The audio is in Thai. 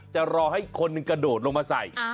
จะรอให้คนหนึ่งกระโดดลงมาใส่